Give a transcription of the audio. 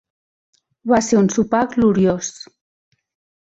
Va ser un sopar gloriós.